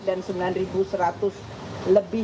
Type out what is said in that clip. dan sembilan seratus lebih